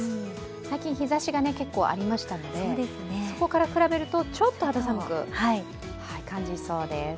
最近日差しが出ていたのでそこから比べると、ちょっと肌寒く感じそうです。